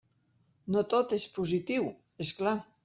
No tot és positiu, és clar.